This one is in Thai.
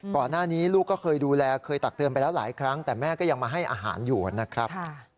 ก่อนหน้านี้ลูกก็เคยดูแลเคยตักเตือนไปแล้วหลายครั้งแต่แม่ก็ยังมาให้อาหารอยู่นะครับ